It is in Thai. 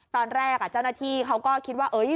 ตอนแรกเจ้าหน้าที่เขาก็คิดว่า